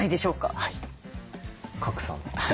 賀来さんは？